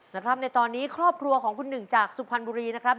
นะครับในตอนนี้ครอบครัวของคุณหนึ่งจากสุพรรณบุรีนะครับ